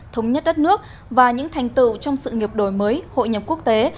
thống nhất đất nước và những thành tựu trong sự nghiệp đổi mới hội nhập quốc tế